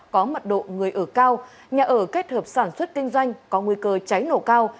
có mật độ người ở cao nhà ở kết hợp sản xuất kinh doanh có nguy cơ cháy nổ cao